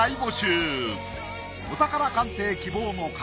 お宝鑑定希望の方